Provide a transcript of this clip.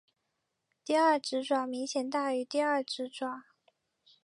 第二指爪明显大于第二指爪。